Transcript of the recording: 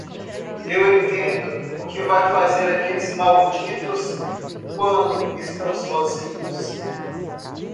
Eu entendo o que vai fazer aqueles malditos quando estão sozinhos.